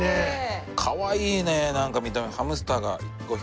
かわいいねなんか見た目ハムスターが５匹も。